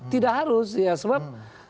tidak harus ya sebab